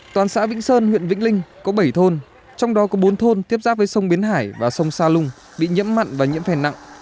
toàn xã vĩnh sơn huyện vĩnh linh có bảy thôn trong đó có bốn thôn tiếp giáp với sông biến hải và sông sa lung bị nhiễm mặn và nhiễm phèn nặng